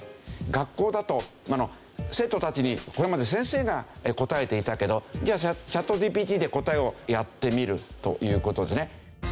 学校だと生徒たちにこれまで先生が答えていたけどチャットＧＰＴで答えをやってみるという事ですね。